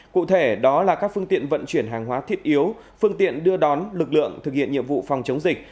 cụ thể đó là các phương tiện vận chuyển hàng hóa thiết yếu phương tiện đưa đón lực lượng thực hiện nhiệm vụ phòng chống dịch